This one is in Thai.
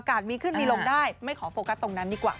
มีขึ้นมีลงได้ไม่ขอโฟกัสตรงนั้นดีกว่า